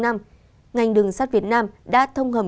ngành đường sắt việt nam đã thông hầm